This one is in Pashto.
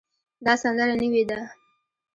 دا سندره نوې ده